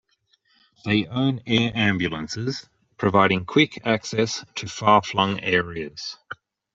They own air ambulances, providing quick access to far-flung areas.